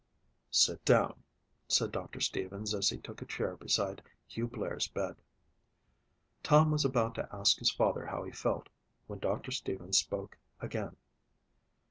"Sit down," said Doctor Stevens as he took a chair beside Hugh Blair's bed. Tom was about to ask his father how he felt, when Doctor Stevens spoke again.